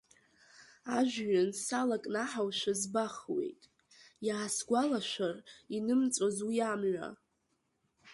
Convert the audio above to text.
Ажәҩан салакнаҳаушәа збахуеит, иаасгәалашәар инымҵәоз уи амҩа.